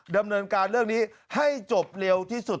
ดำเนินการเรื่องนี้ให้จบเร็วที่สุด